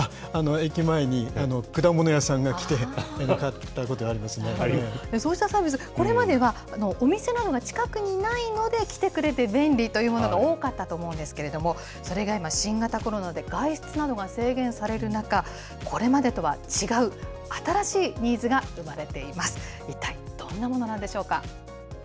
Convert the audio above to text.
駅前に果物屋さんが来て、買そういったサービス、これまでは、お店などが近くにないので来てくれて便利というものが多かったと思うんですけれども、それが今、新型コロナで外出などが制限される中、これまでとは違う、新しいニーズが生まれています。